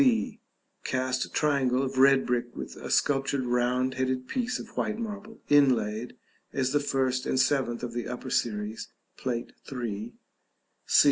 b. Cast triangle of red brick with a sculptured round headed piece of white marble inlaid (as the first and seventh of the upper series, Plate III.). c.